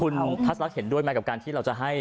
คุณทัศลักษ์เห็นด้วยไหมกับการที่เราจะให้